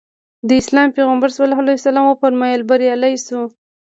د اسلام پیغمبر ص وفرمایل بریالی شو.